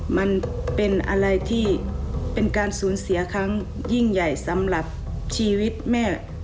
มันเป็นอะไรที่เป็นการสูญเสียครั้งยิ่งใหญ่สำหรับชีวิตแม่